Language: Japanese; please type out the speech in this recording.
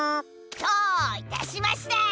どーいたしました。